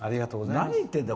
何言ってんだよ